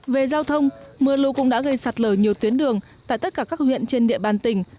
về giao thông mưa lũ cũng đã gây sạt lở nhiều tuyến đường tại tất cả các huyện trên địa bàn tỉnh